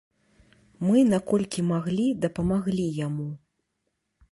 Мы наколькі маглі дапамаглі яму.